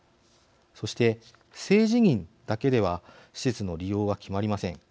そして性自認だけでは施設の利用は決まりません。